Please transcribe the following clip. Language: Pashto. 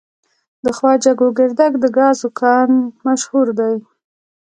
د خواجه ګوګردک د ګازو کان مشهور دی.